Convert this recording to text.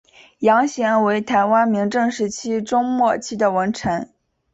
杨贤为台湾明郑时期中末期的文臣。